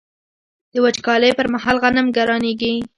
د وچکالۍ پر مهال غنم ګرانیږي.